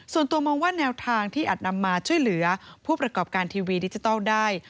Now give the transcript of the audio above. ส่วนตัวมองว่าแนวทางที่อาจนำมาช่วยเหลือผู้ประกอบการทีวีดิจิทัลได้